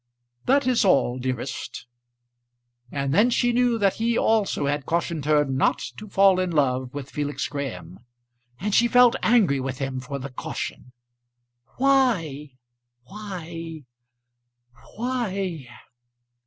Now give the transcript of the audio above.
"That is all, dearest." And then she knew that he also had cautioned her not to fall in love with Felix Graham, and she felt angry with him for the caution. "Why why why